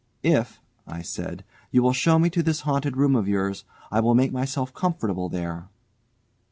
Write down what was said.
"If," said I, "you will show me to this haunted room of yours, I will make myself comfortable there."